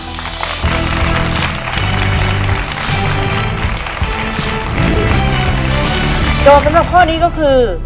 โจทย์สำหรับข้อนี้ก็คือ